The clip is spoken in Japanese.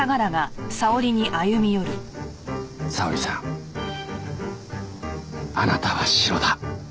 沙織さんあなたはシロだ。